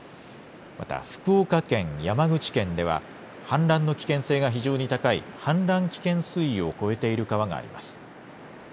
また福岡県、山口県では氾濫の危険性が非常に高い氾濫危険水位を超えている川があります。